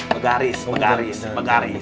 begaris bergaris bergaris